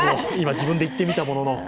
自分で言ってみたものの。